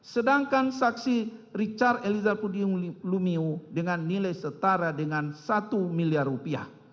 sedangkan saksi richard eliezer pudium lumiu dengan nilai setara dengan satu miliar rupiah